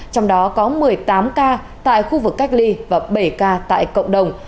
trong đó có một mươi tám ca tại khu vực cách ly và bảy ca tại cộng đồng